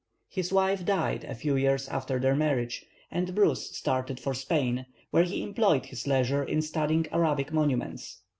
His wife died a few years after their marriage, and Bruce started for Spain, where he employed his leisure in studying Arabic monuments.